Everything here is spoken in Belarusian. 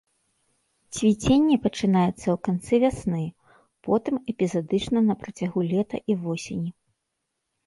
Цвіценне пачынаецца ў канцы вясны, потым эпізадычна на працягу лета і восені.